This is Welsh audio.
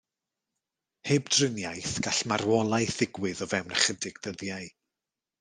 Heb driniaeth gall marwolaeth ddigwydd o fewn ychydig ddyddiau.